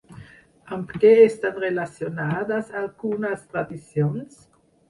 Amb què estan relacionades algunes tradicions?